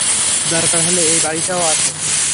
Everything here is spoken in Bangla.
দরকার হলে এই বাড়িটাও আছে।